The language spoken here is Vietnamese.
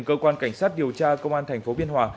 cơ quan cảnh sát điều tra công an thành phố biên hòa